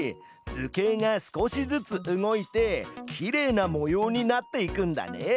図形が少しずつ動いてきれいな模様になっていくんだね。